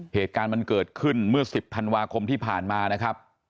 เหตุการณ์มันเกิดขึ้นเมื่อ๑๐ธันวาคมที่ผ่านมานะครับ